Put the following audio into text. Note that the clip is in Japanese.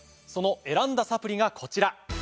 その選んだサプリがこちら。